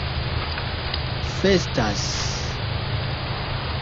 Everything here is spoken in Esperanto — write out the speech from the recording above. festas